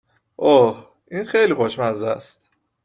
اُه ، این خیلی خوشمزست